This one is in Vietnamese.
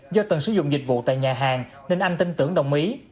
do từng sử dụng dịch vụ tại nhà hàng nên anh tin tưởng đồng ý